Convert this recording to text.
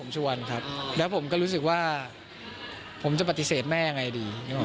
ชวนครับแล้วผมก็รู้สึกว่าผมจะปฏิเสธแม่ยังไงดี